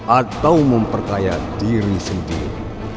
atau memperkaya diri sendiri